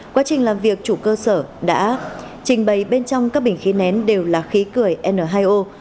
quá trình làm việc chủ cơ sở đã trình bày bên trong các bình khí nén đều là khí cười n hai o